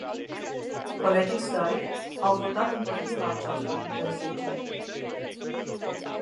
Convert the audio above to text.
Colegii săi au votat împotriva acestei interziceri.